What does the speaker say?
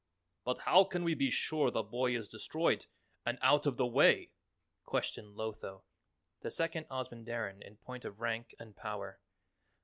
"But how can we be sure the boy is destroyed and out of the way?" questioned Lotho, the second Ozamandarin in point of rank and power.